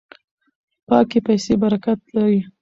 پاکې پیسې برکت لري.